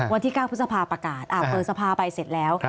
วันที่๙พฤษภาประกาศเปิดสภาไปเสร็จแล้ว